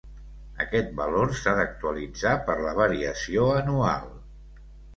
Aquest valor s'ha d'actualitzar per la variació anual.